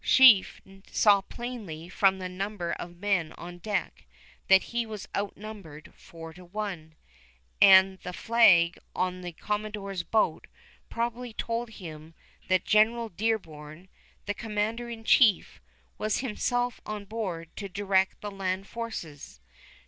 Sheaffe saw plainly from the number of men on deck that he was outnumbered four to one, and the flag on the commodore's boat probably told him that General Dearborn, the commander in chief, was himself on board to direct the land forces.